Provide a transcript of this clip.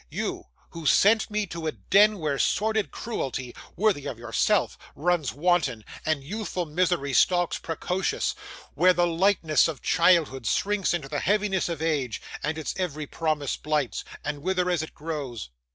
You, who sent me to a den where sordid cruelty, worthy of yourself, runs wanton, and youthful misery stalks precocious; where the lightness of childhood shrinks into the heaviness of age, and its every promise blights, and withers as it grows.